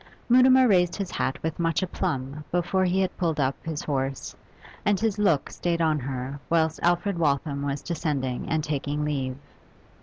Mutimer raised his hat with much aplomb before he had pulled up his horse, and his look stayed on her whilst Alfred Waltham was descending and taking leave.